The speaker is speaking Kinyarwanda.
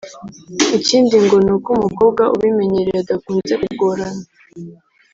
Ikindi ngo ni uko umukobwa ubimenyereye adakunze kugorana